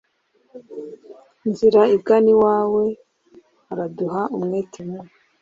nzira igana iwawe, araduhe umwete mu